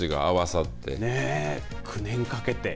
９年をかけて。